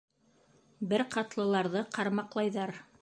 Бер ҡатлыларҙы ҡармаҡлайҙар.